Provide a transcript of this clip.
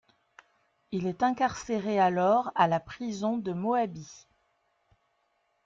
Il est incarcéré alors à la prison de Moabit.